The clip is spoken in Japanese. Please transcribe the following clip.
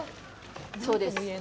そうです。